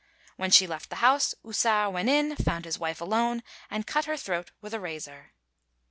When she left the house, Houssart went in, found his wife alone, and cut her throat with a razor.